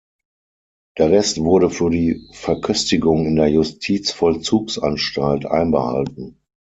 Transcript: Der Rest wurde für die Verköstigung in der Justizvollzugsanstalt einbehalten.